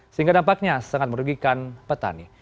sehingga dampaknya sangat merugikan petani